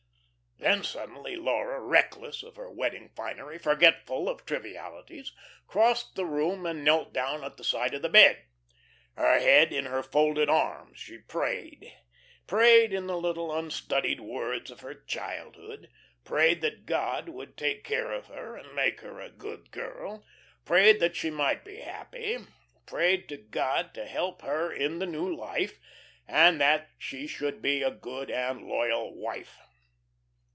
Then suddenly Laura, reckless of her wedding finery, forgetful of trivialities, crossed the room and knelt down at the side of the bed. Her head in her folded arms, she prayed prayed in the little unstudied words of her childhood, prayed that God would take care of her and make her a good girl; prayed that she might be happy; prayed to God to help her in the new life, and that she should be a good and loyal wife.